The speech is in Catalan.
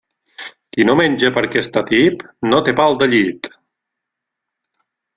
Qui no menja perquè està tip, no té pal de llit.